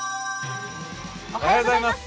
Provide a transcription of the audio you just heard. おはようございます。